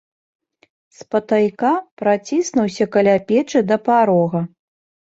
Спатайка праціснуўся каля печы да парога.